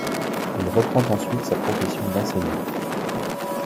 Il reprend ensuite sa profession d'enseignant.